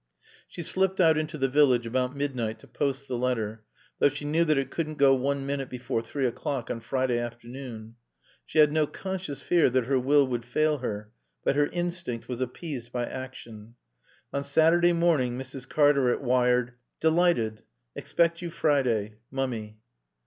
She slipped out into the village about midnight to post the letter, though she knew that it couldn't go one minute before three o'clock on Friday afternoon. She had no conscious fear that her will would fail her, but her instinct was appeased by action. On Saturday morning Mrs. Cartaret wired: "Delighted. Expect you Friday. Mummy."